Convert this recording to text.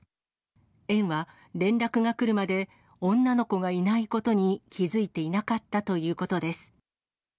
園は連絡が来るまで、女の子がいないことに気付いていなかったということです。